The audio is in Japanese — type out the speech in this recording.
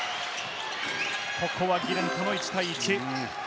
ここはギレントの１対１。